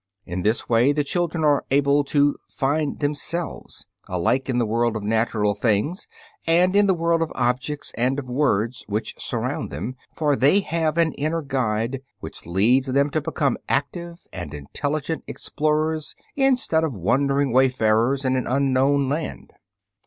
In this way the children are able to "find themselves," alike in the world of natural things and in the world of objects and of words which surround them, for they have an inner guide which leads them to become active and intelligent explorers instead of wandering wayfarers in an unknown land.